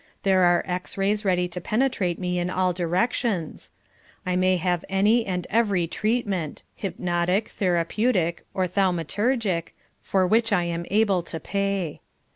There are X rays ready to penetrate me in all directions. I may have any and every treatment hypnotic, therapeutic or thaumaturgic for which I am able to pay.